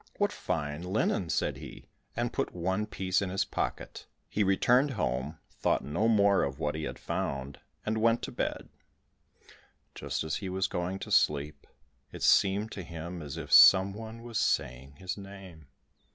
"What fine linen," said he, and put one piece in his pocket. He returned home, thought no more of what he had found, and went to bed. Just as he was going to sleep, it seemed to him as if some one was saying his name.